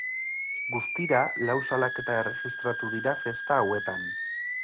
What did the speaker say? Guztira lau salaketa erregistratu dira festa hauetan.